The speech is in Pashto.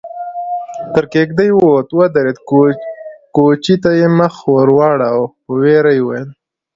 تر کېږدۍ ووت، ودرېد، کوچي ته يې مخ ور واړاوه، په وېره يې وويل: